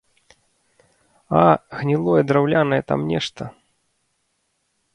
А, гнілое драўлянае там нешта?